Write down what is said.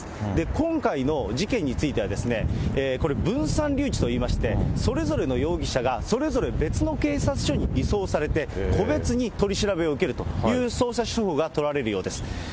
今回の事件については、分散留置といいまして、それぞれの容疑者がそれぞれ別の警察署に移送されて、個別に取り調べを受けるという捜査手法が取られるようです。